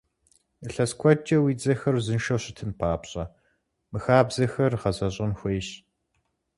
Илъэс куэдкӀэ уи дзэхэр узыншэу щытын папщӀэ, мы хабзэхэр гъэзэщӀэн хуейщ!